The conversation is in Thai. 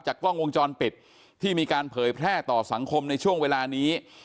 กล้องวงจรปิดที่มีการเผยแพร่ต่อสังคมในช่วงเวลานี้